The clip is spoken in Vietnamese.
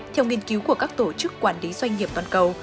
theo nghiên cứu của các tổ chức quản lý doanh nghiệp toàn cầu